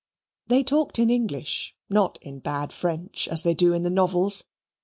They talked in English, not in bad French, as they do in the novels.